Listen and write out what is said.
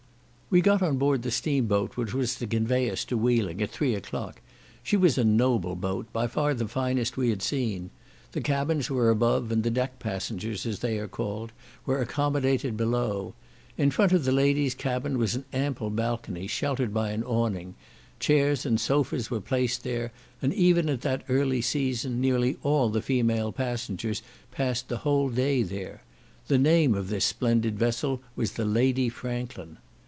We got on board the steam boat which was to convey us to Wheeling at three o'clock. She was a noble boat, by far the finest we had seen. The cabins were above, and the deck passengers, as they are called, were accommodated below. In front of the ladies' cabin was an ample balcony, sheltered by an awning; chairs and sofas were placed there, and even at that early season, nearly all the female passengers passed the whole day there. The name of this splendid vessel was the Lady Franklin.